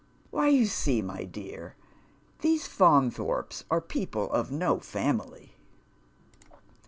" V.'hy, you see, my dear, these Faunthorpes are people of iw family.''